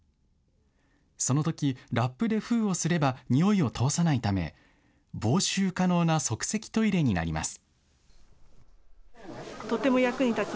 そのとき、ラップで封をすればにおいを通さないため防臭可能な即席トイレになります。